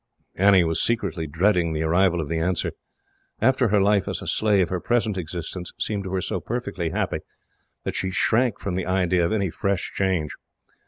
Annie was secretly dreading the arrival of the answer. After her life as a slave, her present existence seemed to her so perfectly happy that she shrank from the idea of any fresh change.